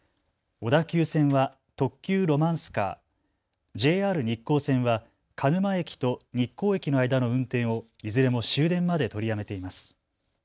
小田急線は特急ロマンスカー、ＪＲ日光線は鹿沼駅と日光駅の間の運転をいずれも終電まで取りやめています。